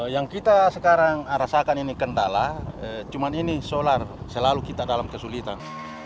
yang kita sekarang rasakan ini kendala cuma ini solar selalu kita dalam kesulitan